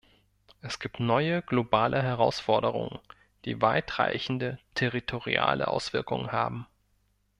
Es gibt neue globale Herausforderungen, die weit reichende territoriale Auswirkungen haben.